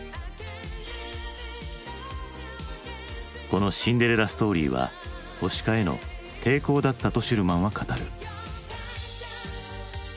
このシンデレラストーリーは保守化への抵抗だったとシュルマンは語る。